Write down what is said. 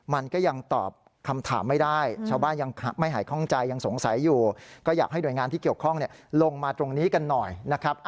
มันก็ยังตอบคำถามไม่ได้ชาวบ้านยังไม่หายคล่องใจยังสงสัยอยู่ก็อยากให้หน่วยงานที่เกี่ยวข้องลงมาตรงนี้กันหน่อยนะครับ